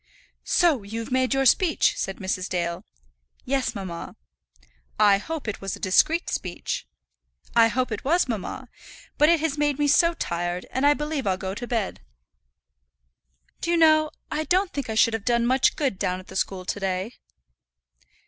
"So you've made your speech," said Mrs. Dale. "Yes, mamma." "I hope it was a discreet speech." "I hope it was, mamma. But it has made me so tired, and I believe I'll go to bed. Do you know I don't think I should have done much good down at the school to day?"